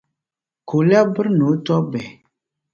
Ka o lԑbi biri ni o tobbihi.